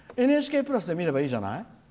ＮＨＫプラスで見ればいいじゃない。